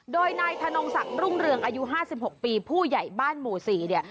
โดยนายธนงศักดิ์รุ่งเรืองอายุ๕๖ปีผู้ใหญ่บ้านหมู่๔เนี่ย